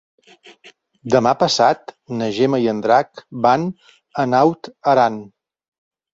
Demà passat na Gemma i en Drac van a Naut Aran.